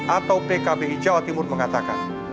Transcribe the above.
atau pkb jawa timur mengatakan